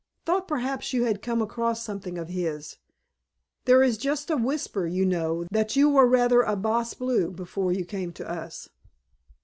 Thought perhaps you had come across something of his. There is just a whisper, you know, that you were rather a bas bleu before you came to us."